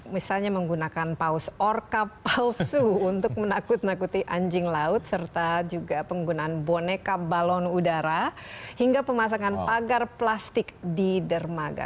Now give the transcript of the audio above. misalnya menggunakan paus orka palsu untuk menakut nakuti anjing laut serta juga penggunaan boneka balon udara hingga pemasangan pagar plastik di dermaga